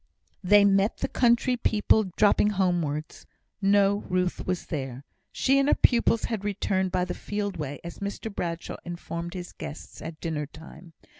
They met the country people dropping homewards. No Ruth was there. She and her pupils had returned by the field way, as Mr Bradshaw informed his guests at dinner time.